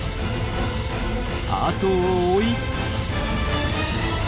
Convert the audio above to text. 後を追い。